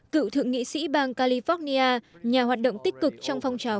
cựu thượng nghị sĩ bang california nhà hoạt động tích cực trong phong trào